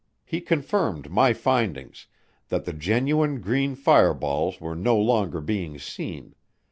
He confirmed my findings, that the genuine green fireballs were no longer being seen.